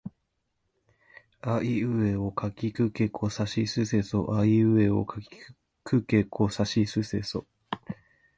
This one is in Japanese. あいうえおかきくけこさしすせそあいうえおかきくけこさしすせそ